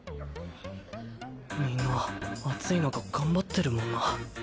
みんな暑いなか頑張ってるもんな。